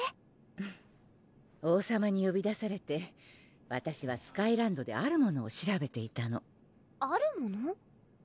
フフ王さまによび出されてわたしはスカイランドであるものを調べていたのあるもの？